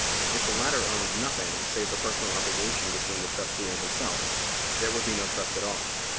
If the latter owned nothing save the personal obligation between the trustee and himself, there would be no trust at all.